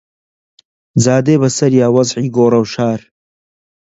جا دێ بەسەریا وەزعی گۆڕەوشار